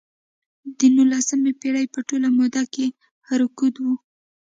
د نولسمې پېړۍ په ټوله موده کې رکود و.